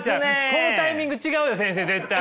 このタイミング違うよ先生絶対。